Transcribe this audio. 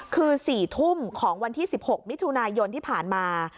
คือ๔ทุ่มของวันที่๑๖มิถุนายนที่ผ่านมา